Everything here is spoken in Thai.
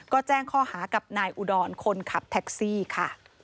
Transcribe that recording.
ก็แจ้งข้อหากับนายอุดรคนขับแท็กซี่ค่ะ